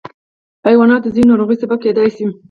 حیوانات د ځینو ناروغیو سبب کېدای شي.